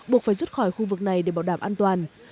buộc phải rút khỏi khu vực này để bảo đảm an toàn